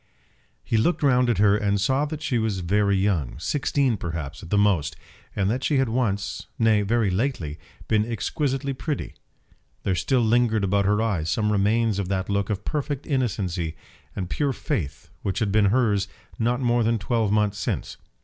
He looked round at her and saw that she was very young, sixteen, perhaps, at the most, and that she had once, nay very lately, been exquisitely pretty. There still lingered about her eyes some remains of that look of perfect innocency and pure faith which had been hers not more than twelve months since.